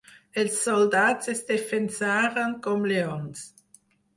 Els soldats es defensaren com lleons.